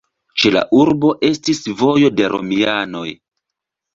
Ĉe la urbo estis vojo de romianoj.